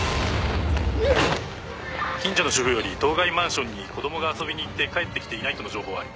近所の主婦より当該マンションに子供が遊びに行って帰って来ていないとの情報あり。